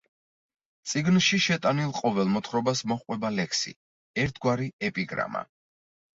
წიგნში შეტანილ ყოველ მოთხრობას მოჰყვება ლექსი, ერთგვარი ეპიგრამა.